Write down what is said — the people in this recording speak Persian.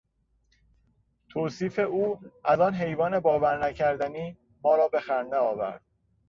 توصیف او از آن حیوان باور نکردنی ما را به خنده آورد.